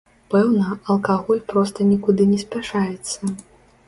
Пэўна, алкаголь проста нікуды не спяшаецца.